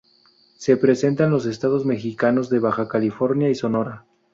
Se presenta en los estados mexicanos de Baja California y Sonora.